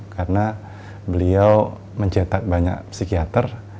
karena beliau mencetak banyak psikiater